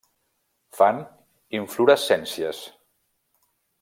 Fan inflorescències.